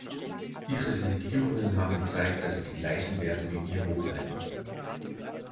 Ihre Regierungen haben gezeigt, dass sie die gleichen Werte wie wir hochhalten.